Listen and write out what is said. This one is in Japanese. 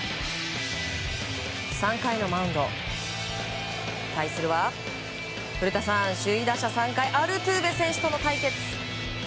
３回のマウンド対するは古田さんアルトゥーベ選手との対決。